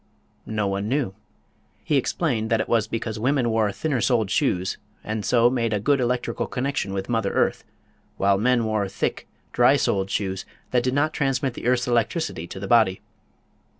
No one knew. He explained that it was because women wore thinner soled shoes, and so made a good electrical connection with mother earth, while men wore thick, dry soled shoes that did not transmit the earth's electricity to the body.